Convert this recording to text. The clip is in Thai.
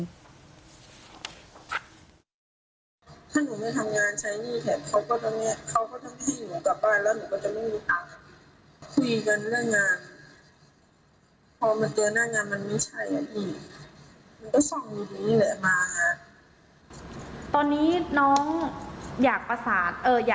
ถ้าหนูไม่ทำงานใช้นี่แค่เค้าก็มีแล้วหนูก็จะไม่มีเลือดค่ะ